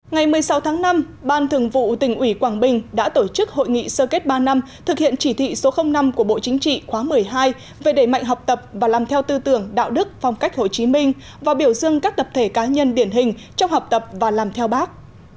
ngày một mươi sáu tháng năm ban thường vụ tỉnh ủy quảng bình đã tổ chức hội nghị sơ kết ba năm thực hiện chỉ thị số năm của bộ chính trị khóa một mươi hai về đẩy mạnh học tập và làm theo tư tưởng đạo đức phong cách hồ chí minh và biểu dương các tập thể cá nhân điển hình trong học tập và làm theo bác